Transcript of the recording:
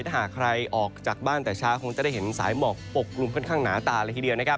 ถ้าหากใครออกจากบ้านแต่ช้าคงจะได้เห็นสายหมอกปกกลุ่มค่อนข้างหนาตาเลยทีเดียวนะครับ